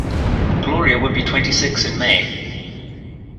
Gloria would be twenty-six in May.